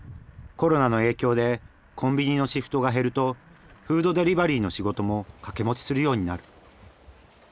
コロナの影響でコンビニのシフトが減るとフードデリバリーの仕事も掛け持ちするようになる。